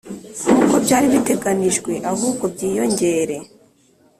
nk uko byari biteganijwe ahubwo byiyongere